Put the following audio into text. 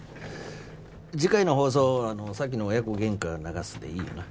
次回の放送さっきの親子喧嘩流すでいいよな？